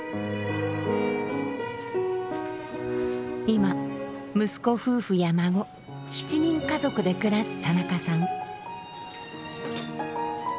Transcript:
今息子夫婦や孫７人家族で暮らす田中さん。